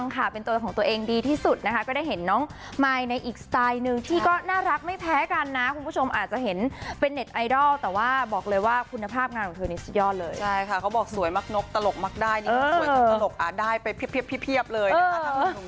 สวยมากนกตลกมากได้สวยมากตลกได้ไปเพียบเลยนะคะ